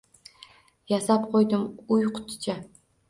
Yasab qo‘ydim, uy-quticha